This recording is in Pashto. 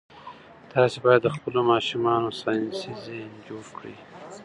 تاسي باید د خپلو ماشومانو ساینسي ذهن جوړ کړئ.